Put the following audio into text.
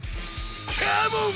カモン！